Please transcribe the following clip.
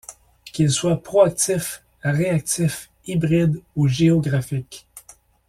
Qu’ils soient proactifs, réactifs, hybrides, ou géographiques.